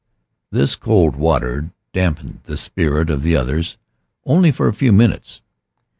'" This cold water damped the spirit of the others only for a few minutes.